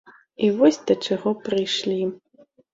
І вось да чаго прыйшлі.